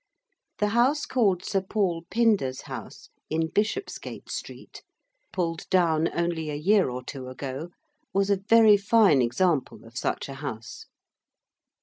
The house called Sir Paul Pinder's House in Bishopsgate Street, pulled down only a year or two ago, was a very fine example of such a house.